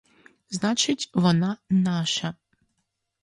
Значить, вона — наша.